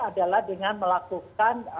adalah dengan melakukan